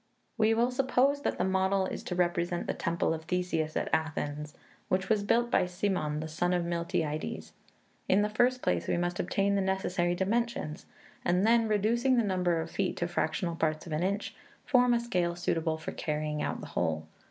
We will suppose that the model is to represent the Temple of Theseus at Athens, which was built by Cimon, the son of Miltiades. In the first place we must obtain the necessary dimensions, and then, reducing the number of feet to fractional parts of an inch, form a scale suitable for carrying out the whole.